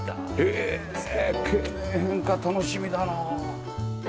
へえ経年変化楽しみだなあ。